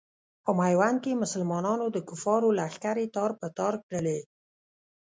په میوند کې مسلمانانو د کفارو لښکرې تار په تار کړلې.